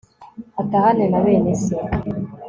atahane na bene se